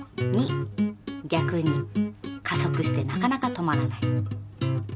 ぎゃくに加速してなかなか止まらない。